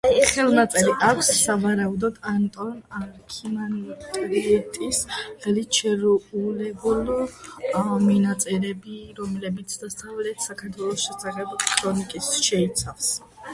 ხელნაწერს აქვს, სავარაუდოდ, ანტონ არქიმანდრიტის ხელით შერულებული მინაწერები, რომლებიც დასავლეთ საქართველოს შესახებ ქრონიკებს შეიცავენ.